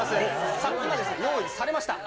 さあ、今、用意されました。